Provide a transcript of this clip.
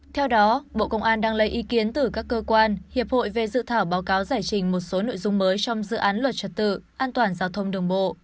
theo đó bộ công an đang lấy ý kiến từ các cơ quan hiệp hội về dự thảo báo cáo giải trình một số nội dung mới trong dự án luật trật tự an toàn giao thông đường bộ